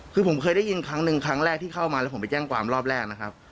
คือผมเคยได้ยินครั้งหนึ่งครั้งแรกที่เข้ามาแล้วผมไปแจ้งความรอบแรกนะครับ